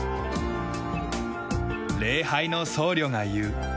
礼拝の僧侶が言う。